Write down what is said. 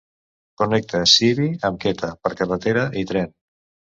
Connecta Sibi amb Quetta per carretera i tren.